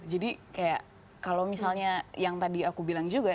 jadi kayak kalau misalnya yang tadi aku bilang juga